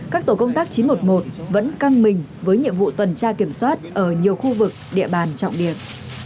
các tổ công tác c một chín trăm một mươi một vẫn căng mình với nhiệm vụ tuần tra kiểm soát ở nhiều khu vực địa bàn trọng điện